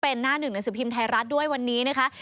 เป็นหน้าหนึ่งหนังสือพิมพ์ไทยรัฐด้วยวันนี้นะคะ